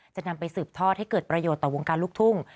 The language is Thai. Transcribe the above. จะนำไปสืบทอดให้เกิดประโยชน์ต่อวงการลูกทุ่ง